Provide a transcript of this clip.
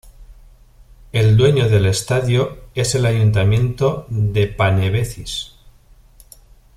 El dueño del estadio es el ayuntamiento de Panevėžys.